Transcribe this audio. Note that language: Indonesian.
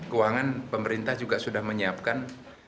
keuangan pemerintah juga sudah menyiapkan